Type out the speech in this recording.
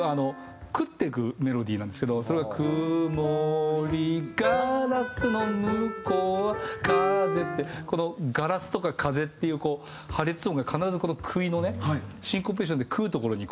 食ってくメロディーなんですけどそれが「くもり硝子の向うは風」ってこの硝子とか風っていう破裂音が必ずこの食いのねシンコペーションで食うところにこう。